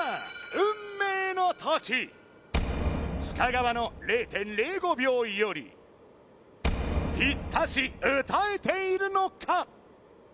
運命の時深川の０．０５秒よりピッタシ歌えているのか？